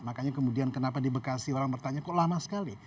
makanya kemudian kenapa di bekasi orang bertanya kok lama sekali